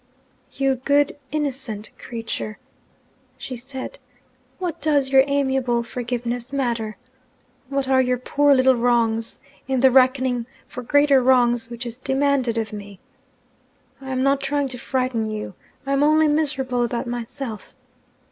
'You good innocent creature,' she said, 'what does your amiable forgiveness matter? What are your poor little wrongs, in the reckoning for greater wrongs which is demanded of me? I am not trying to frighten you, I am only miserable about myself.